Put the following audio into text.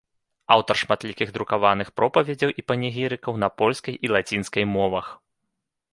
Аўтар шматлікіх друкаваных пропаведзяў і панегірыкаў на польскай і лацінскай мовах.